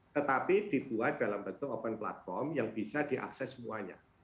tetapi dibuat dalam bentuk open platform yang bisa diakses semuanya